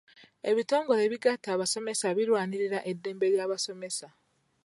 Ebitongole ebigatta abasomesa birwanirira eddembe ly'abasomesa.